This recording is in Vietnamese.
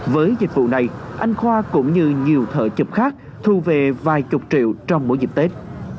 với dịch vụ này anh khoa cũng như nhiều thợ chụp khác thu về vài chục triệu trong mỗi dịp tết